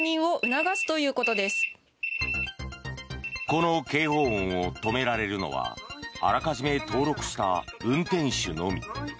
この警報音を止められるのはあらかじめ登録した運転手のみ。